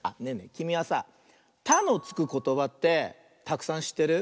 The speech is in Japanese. きみはさ「た」のつくことばってたくさんしってる？